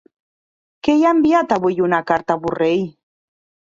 Qui ha enviat avui una carta a Borrell?